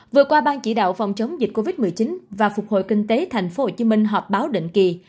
vừa qua ban chỉ đạo phòng chống dịch covid một mươi chín và phục hồi kinh tế tp hcm họp báo định kỳ